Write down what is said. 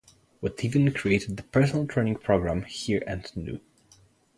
Witteveen created the personal training program Hier en Nu.